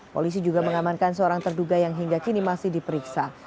polisi juga mengamankan seorang terduga yang hingga kini masih diperiksa